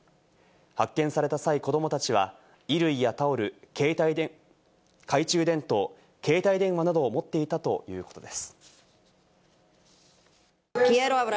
発見された際、子供たちは衣類やタオル、懐中電灯、携帯電話などを持っていたということです。